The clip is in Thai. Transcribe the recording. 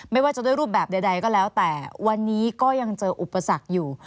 ไม่ว่าจะด้วยรูปแบบใดก็แล้วแต่วันนี้ก็ยังเจออุปสรรคอยู่